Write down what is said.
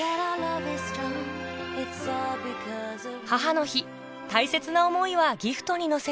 母の日大切な思いはギフトに乗せて